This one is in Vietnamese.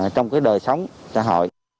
trong đời sống xã hội